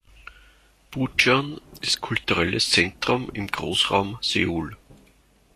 Bucheon ist ein kulturelles Zentrum im Großraum Seoul.